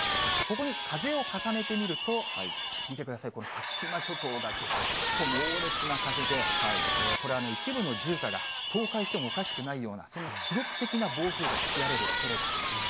ここに風を重ねてみると、見てください、この先島諸島が、ぐるっと猛烈な風で、これ、一部の住家が倒壊してもおかしくないような、そんな記録的な暴風が吹き荒れるおそれがあります。